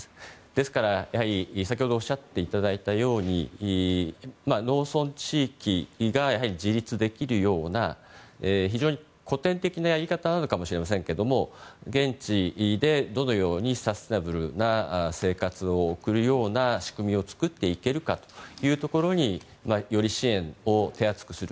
ですから、先ほどおっしゃっていただいたように農村地域が自立できるような非常に古典的なやり方かもしれませんが現地でどのようにサステナブルな生活を送るような仕組みを作っていけるかというところにより支援を手厚くする。